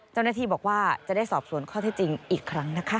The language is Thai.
เจ้าหน้าที่บอกว่าจะได้สอบสวนข้อที่จริงอีกครั้งนะคะ